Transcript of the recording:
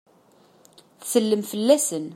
Tsellem fell-asen.